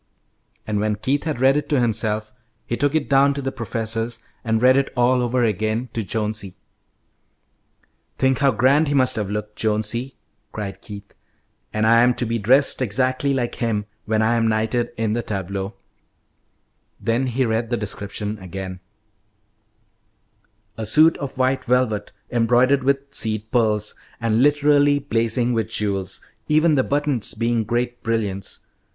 And when Keith had read it himself, he took it down to the professor's, and read it all over again to Jonesy. [Illustration: "THERE WAS ONE BOOK WHICH KEITH CARRIED AROUND WITH HIM."] "Think how grand he must have looked, Jonesy," cried Keith, "and I am to be dressed exactly like him when I am knighted in the tableau." Then he read the description again: "'A suit of white velvet embroidered with seed pearls, and literally blazing with jewels, even the buttons being great brilliants.